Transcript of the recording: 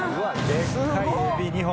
でっかいエビ２本。